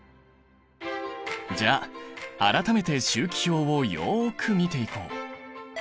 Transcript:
じゃあ改めて周期表をよく見ていこう。